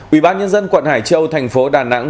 ubnd quận hải châu thành phố đà nẵng